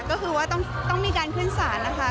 ก็คือว่าต้องมีการขึ้นศาลนะคะ